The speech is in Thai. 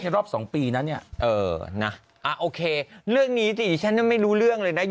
จริงรอบสองปีนะเนี่ยโอเคเรื่องนี้จะไม่รู้เรื่องเลยนะ